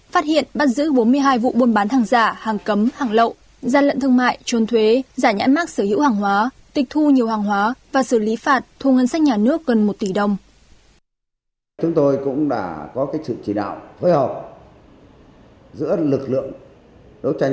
phát hiện bắt giữ bốn mươi hai vụ buôn bán hàng giả hàng cấm hàng lậu gian lận thương mại